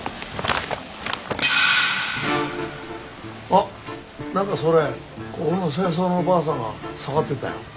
あっ何かそれここの清掃のばあさんが触ってたよ。